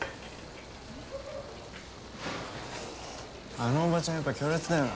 あのおばちゃんやっぱ強烈だよな。